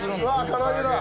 唐揚げだ。